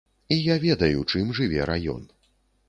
І я ведаю, чым жыве раён.